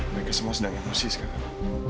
mereka semua sedang emosi sekarang